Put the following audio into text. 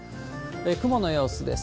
雲の様子です。